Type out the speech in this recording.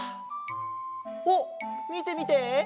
あっみてみて！